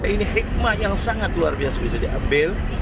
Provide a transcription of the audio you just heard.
ini hikmah yang sangat luar biasa bisa diambil